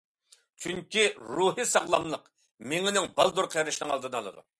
چۈنكى روھىي ساغلاملىق مېڭىنىڭ بالدۇر قېرىشىنىڭ ئالدىنى ئالىدۇ.